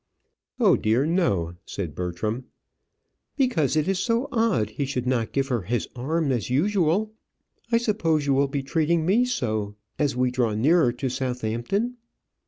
"Oh dear, no," said Bertram. "Because it is so odd he should not give her his arm as usual. I suppose you will be treating me so as we draw nearer to Southampton?"